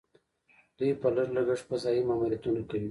دوی په لږ لګښت فضايي ماموریتونه کوي.